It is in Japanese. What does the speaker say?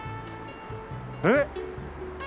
えっ。